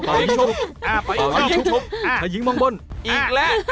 ถ่ายยิงชุบท่ายิงมองบนอีกแล้ว